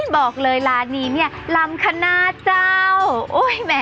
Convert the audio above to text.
บอกเลยร้านนี้เนี่ยลำคะนาเจ้า